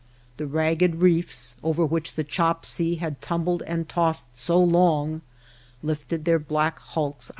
The ragged reefs, over which the chop sea had tumbled and tossed so long, lifted their black hulks out The delta dam.